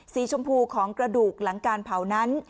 สีชมพูของกระดูกหลังการเผานั้น